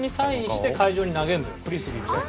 フリスビーみたいに。